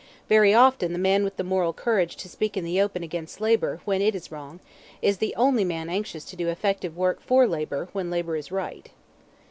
Very often the man with the moral courage to speak in the open against labor when it is wrong is the only man anxious to do effective work for labor when labor is right.